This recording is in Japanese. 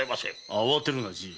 慌てるなじい。